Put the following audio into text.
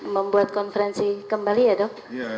membuat konferensi kembali ya dok